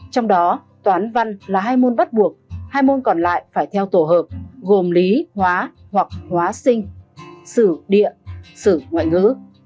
trong đó toán văn là hai môn bắt buộc hai môn còn lại phải theo tổ hợp gồm lý hóa hoặc hóa sinh sử địa sử ngoại ngữ